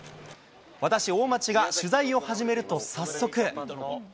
私、大町が取材を始めると、早速。